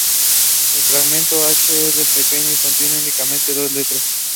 He attended Nudgee College and the Australian Institute of Sport.